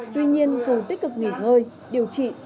tuy nhiên dù tích cực nghỉ ngơi điều trị